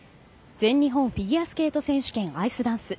全日本フィギュアスケート選手権アイスダンス。